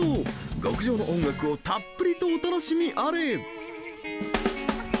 極上の音楽をたっぷりとお楽しみあれ！